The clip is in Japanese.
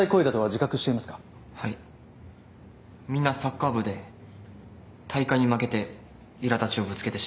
みんなサッカー部で大会に負けていら立ちをぶつけてしまいました。